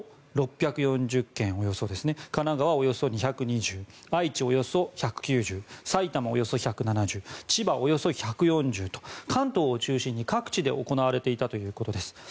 東京、およそ６４０件神奈川、およそ２２０件愛知、およそ１９０件埼玉、およそ１７０件千葉、およそ１４０件と関東を中心に各地で行われていたということです。